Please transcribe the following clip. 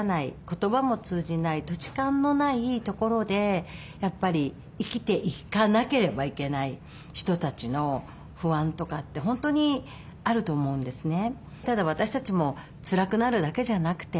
言葉も通じない土地勘のない所でやっぱり生きていかなければいけない人たちの不安とかって本当にあると思うんですね。